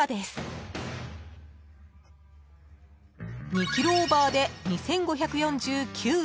［２ｋｇオーバーで２，５４９円